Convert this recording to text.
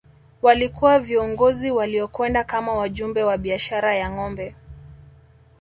Walikuwa viongozi waliokwenda kama wajumbe wa biashara ya ngombe